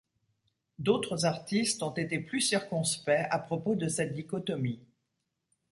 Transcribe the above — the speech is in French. D'autres artistes ont été plus circonspects à propos de cette dichotomie.